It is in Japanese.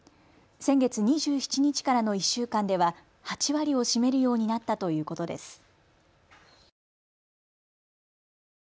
先月２７日からの１週間では８割を占めるようになったということです。